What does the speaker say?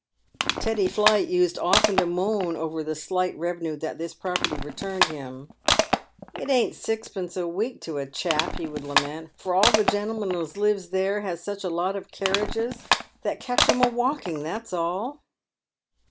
Teddy Plight used often to moan over the slight revenue that this property returned him. " It ain't sixpence a week to a chap," he would lament, " for all the gentlemens as lives there PAVED WITH GOLD. 105 has such a lot of carriages — that catch 'em a walking that's all."